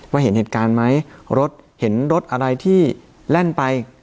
เห็นเหตุการณ์ไหมรถเห็นรถอะไรที่แล่นไป